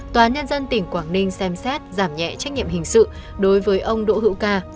tòa nhân dân tỉnh quảng ninh xem xét giảm nhẹ trách nhiệm hình sự đối với ông đỗ hữu ca